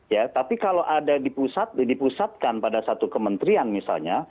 ya tapi kalau ada dipusatkan pada satu kementerian misalnya